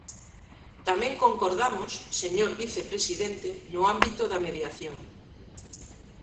Tamén concordamos, señor vicepresidente, no ámbito da mediación.